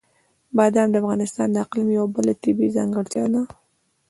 بادام د افغانستان د اقلیم یوه بله طبیعي ځانګړتیا ده.